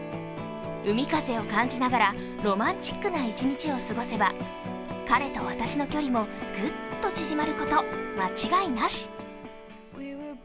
海風を感じながらロマンチックな一日を過ごせば彼と私の距離もグッと縮まること間違いなし。